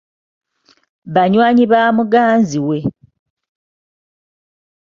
Banywanyi ba muganzi we.